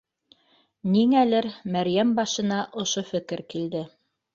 — Ниңәлер Мәрйәм башына ошо фекер килде